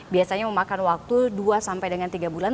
biasanya memakan waktu dua sampai dengan tiga bulan